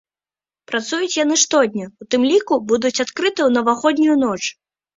Працуюць яны штодня, у тым ліку будуць адкрытыя ў навагоднюю ноч.